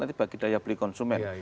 hidaya beli konsumen